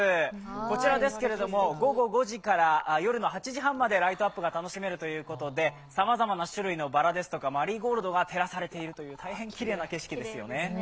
こちらですけれども、午後５時から夜の８時半までライトアップが楽しめるということで、さまざまな種類のバラですとかマリーゴールドが照らされているという大変きれいな景色ですよね。